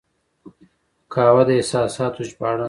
قهوه د احساساتو ژباړن ده